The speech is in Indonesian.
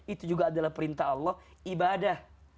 itu juga adalah perintah allah ibadah